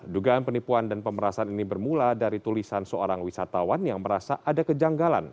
dugaan penipuan dan pemerasan ini bermula dari tulisan seorang wisatawan yang merasa ada kejanggalan